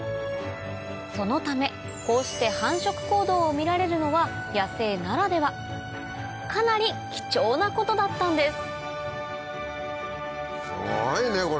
そのためこうして繁殖行動を見られるのは野生ならではかなり貴重なことだったんですすごいね！